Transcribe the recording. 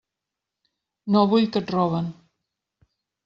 No vull que et roben.